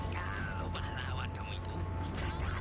kalau bahan lawan kamu itu sudah datang